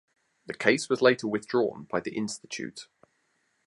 The case was later withdrawn by the institute.